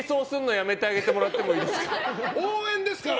応援ですから！